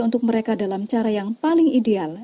untuk mereka dalam cara yang paling ideal